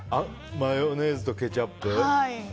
マヨネーズとケチャップ？